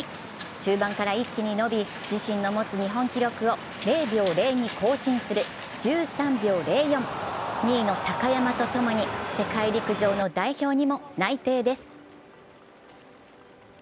中盤から一気に伸び、自身の持つ日本記録を０秒０２更新する１３秒０４、２位の高山とともに世界陸上の代表にも内定です。